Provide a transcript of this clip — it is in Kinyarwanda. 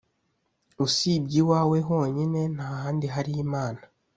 «usibye iwawe honyine, nta handi hari imana;